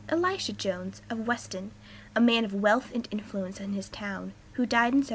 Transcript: Elisha Jones, of Weston, a man of wealth and influence in his town, who died in 1776.